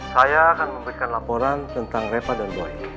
saya akan memberikan laporan tentang repa dan buaya